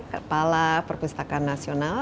kepala perpustakaan nasional